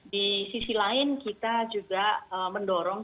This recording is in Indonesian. di sisi lain kita juga mendorong